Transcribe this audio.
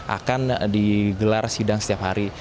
akan digelar sidang setiap hari